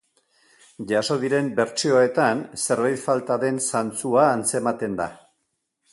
Jaso diren bertsioetan zerbait falta den zantzua antzematen da.